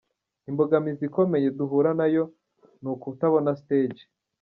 Imbogamizi ikomeye duhura nayo ni ukutabona stage.